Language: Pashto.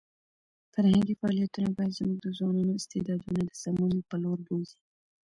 فرهنګي فعالیتونه باید زموږ د ځوانانو استعدادونه د سمون په لور بوځي.